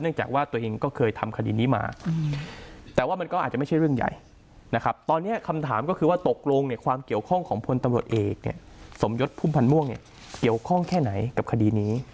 จากว่าตัวเองก็เคยทำคดีนี้มาแต่ว่ามันก็อาจจะไม่ใช่เรื่องใหญ่นะครับตอนนี้คำถามก็คือว่าตกลงเนี่ยความเกี่ยวข้องของพลตำรวจเอกเนี่ยสมยศพุ่มพันธ์ม่วงเนี่ยเกี่ยวข้องแค่ไหนกับคดีนี้